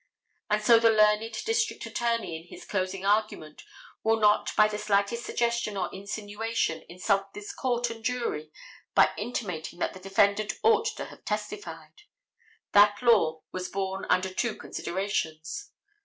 And so the learned district attorney in his closing argument will not by the slightest suggestion or insinuation insult this court and jury by intimating that the defendant ought to have testified. That law was born under two considerations.